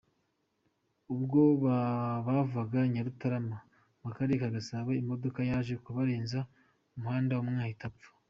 Ubwo bavaga Nyarutarama mu Karere ka Gasabo, imodoka yaje kubarenza umuhanda, umwe ahita apfa.